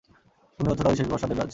তুমিই হচ্ছ তাদের শেষ ভরসা দেবরাজ।